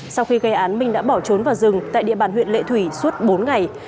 sau khi gây án minh đã bỏ trốn vào rừng tại địa bàn huyện lệ thủy suốt bốn ngày